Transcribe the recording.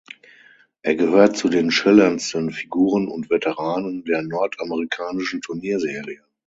Er gehört zu den schillerndsten Figuren und Veteranen der nordamerikanischen Turnierserie.